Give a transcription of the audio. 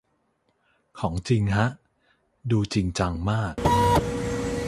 ของจริงฮะ ดูจริงจังมาก